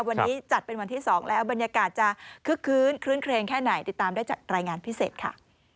วันนี้จัดเป็นวันที่๒แล้วบรรยากาศจะคึกคลื้นคลื้นเครงแค่ไหนติดตามได้จากรายงานพิเศษค่ะ